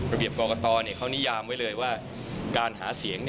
เบียบกรกตเขานิยามไว้เลยว่าการหาเสียง